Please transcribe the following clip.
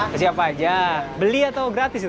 biasa apa aja beli atau gratis itu